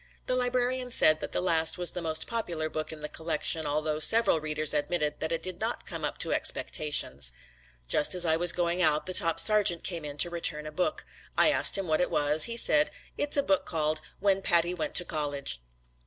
The librarian said that the last was the most popular book in the collection although several readers admitted that it did not come up to expectations. Just as I was going out the top sergeant came in to return a book. I asked him what it was. He said, "It's a book called 'When Patty Went to College.'"